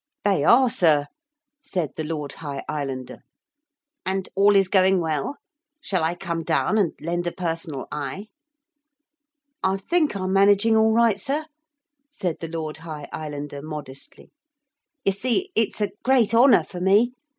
'They are, sir,' said the Lord High Islander. 'And is all going well? Shall I come down and lend a personal eye?' 'I think I'm managing all right, sir,' said the Lord High Islander modestly. 'You see it's a great honour for me.